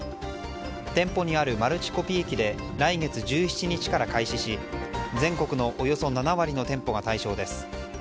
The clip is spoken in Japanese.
店舗にあるマルチコピー機で来月１７日から開始し、全国のおよそ７割の店舗が対象です。